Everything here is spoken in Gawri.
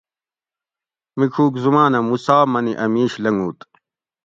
میڄوگ زماۤنہۤ موسےٰ منی اۤ میش لنگوت